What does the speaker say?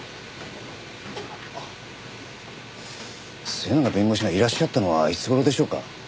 末永弁護士がいらっしゃったのはいつ頃でしょうか？